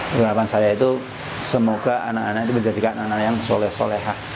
harapan saya itu semoga anak anak itu menjadikan anak anak yang soleh soleha